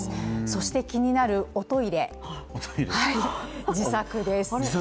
そして気になるおトイレ、自作です。